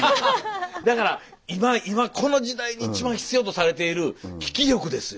だから今この時代に一番必要とされている聞き力ですよ。